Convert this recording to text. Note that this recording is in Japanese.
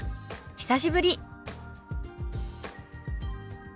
久しぶり。